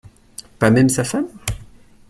Pas même sa femme ?